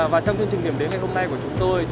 và trong chương trình điểm đến ngày hôm nay của chúng tôi